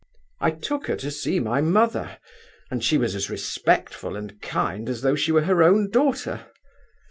"I took her to see my mother, and she was as respectful and kind as though she were her own daughter.